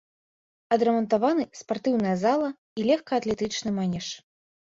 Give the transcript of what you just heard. Адрамантаваны спартыўная зала і лёгкаатлетычны манеж.